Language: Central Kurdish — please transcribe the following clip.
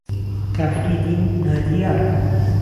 کافری دین نا دییاره